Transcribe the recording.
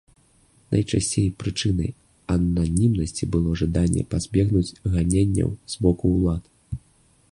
Найчасцей прычынай ананімнасці было жаданне пазбегнуць ганенняў з боку ўлад.